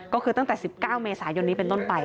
ก็คือตั้งแต่๑๙เมษายนนี้เป็นต้นไป